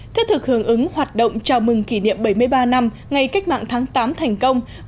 thiết thực hưởng ứng hoạt động chào mừng kỷ niệm bảy mươi ba năm ngày cách mạng tháng tám thành công